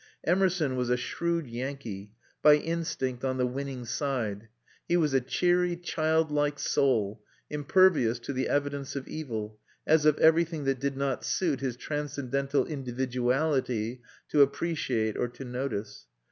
Emerson was a shrewd Yankee, by instinct on the winning side; he was a cheery, child like soul, impervious to the evidence of evil, as of everything that it did not suit his transcendental individuality to appreciate or to notice.